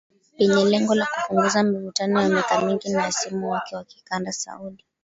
Yenye lengo la kupunguza mivutano ya miaka mingi na hasimu wake wa kikanda Saudi.